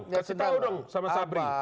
kasih tahu dong sama sabri